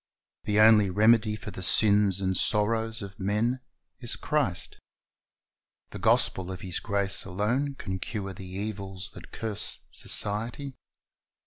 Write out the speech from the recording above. The only remedy for the sins and sorrows of men is Christ. The gospel of His grace alone can cure the evils that curse society.